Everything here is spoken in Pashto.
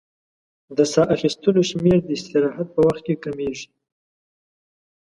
د سا اخیستلو شمېر د استراحت په وخت کې کمېږي.